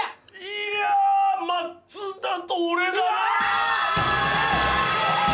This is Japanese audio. いや松田と俺だ！